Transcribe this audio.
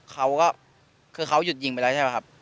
เขาก็คือเขาหยุดยิงไปแล้วใช่ไหมครับ